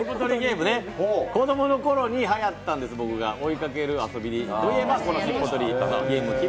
子供のころにはやったんです、追いかけるゲームといえばしっぽ取りゲームです。